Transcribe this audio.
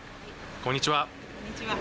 こんにちは。